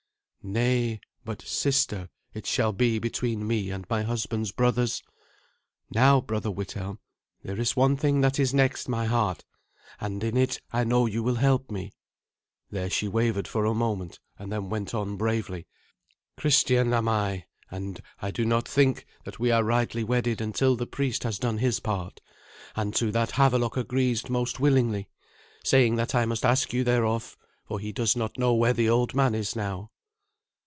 "Nay; but 'sister' it shall be between me and my husband's brothers. Now, brother Withelm, there is one thing that is next my heart, and in it I know you will help me." There she wavered for a moment, and then went on bravely. "Christian am I, and I do not think that we are rightly wedded until the priest has done his part. And to that Havelok agrees most willingly, saying that I must ask you thereof, for he does not know where the old man is now."